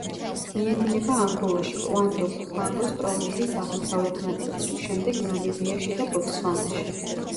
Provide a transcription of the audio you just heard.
მიედინება ანგოლაში, კუანდო-კუბანგოს პროვინციის აღმოსავლეთ ნაწილში, შემდეგ ნამიბიაში და ბოტსვანაში.